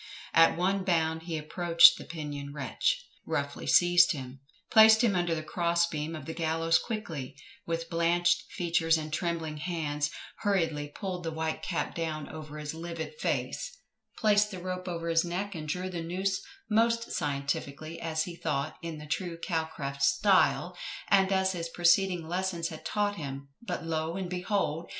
At one bound he approached the pinioned wretch, roughly seized him, placed him under the cross beam of the gallows quickly, with blanched features and trembling hands, hurriedly pulled the white cap down over his livid face, placed the rope over his neck, and drew the noose most scientifically as he thought, in the true Calcraft style, and as his preceding lessons had taught him; but, lo, and behold!